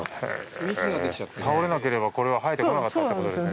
倒れなければ、これは生えてこなかったということですよね。